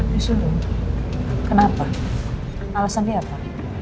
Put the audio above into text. disuruh kenapa alasan dia apa